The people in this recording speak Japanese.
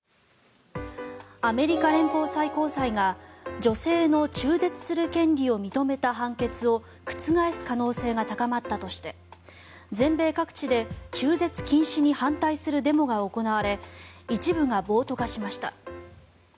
アメリカ連邦最高裁が女性の中絶する権利を認めた判決を覆す可能性が高まったとして全米各地で中絶禁止に反対するデモが行われ一部が暴徒化しました。